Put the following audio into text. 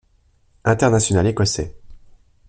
International écossais.